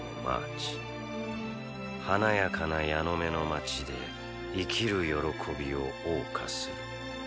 華やかなヤノメの街で生きる喜びを謳歌する。